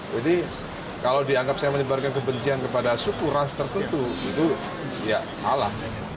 jadi kalau dianggap saya menyebarkan kebencian kepada suku ras tertentu itu ya salah